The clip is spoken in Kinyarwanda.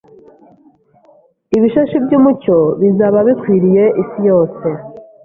ibishashi by’umucyo bizaba bikwiriye isi yose.”